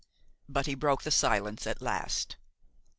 But he broke the silence at last.